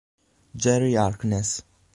Jerry Harkness